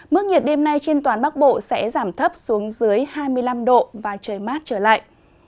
mức nhiệt đêm nay trên toàn bắc bộ sẽ giảm thấp xuống dưới hai mươi năm độ và trời mát trở lại